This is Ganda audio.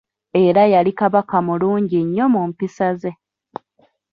Era yali Kabaka mulungi nnyo mu mpisa ze.